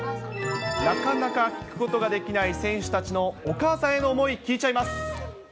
なかなか聞くことができない選手たちのお母さんへの思い、聞いちゃいます。